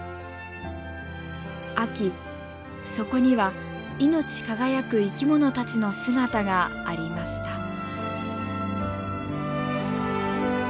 秋そこには命輝く生き物たちの姿がありました。